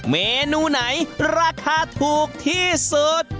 เมนูไหนราคาถูกที่สุด